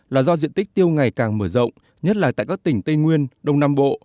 là do diện tích tiêu ngày càng mở rộng nhất là tại các tỉnh tây nguyên đông nam bộ